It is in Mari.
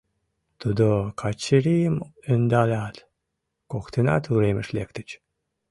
Тудо Качырийым ӧндалят, коктынат уремыш лектыч.